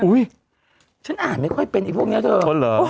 อุ้ยฉันอ่านไม่ค่อยเป็นอีกพวกเนี้ยเถอะ